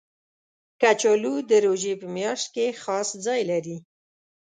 کچالو د روژې په میاشت کې خاص ځای لري